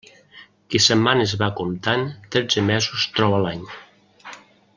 Qui setmanes va comptant, tretze mesos troba a l'any.